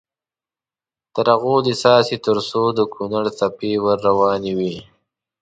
تر هغو دې څاڅي تر څو د کونړ څپې ور روانې وي.